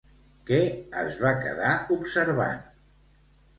Què es va quedar observant?